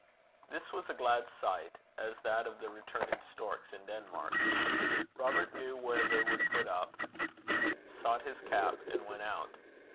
This was a glad sight, as that of the returning storks in Denmark. Robert knew where they would put up, sought his cap, and went out.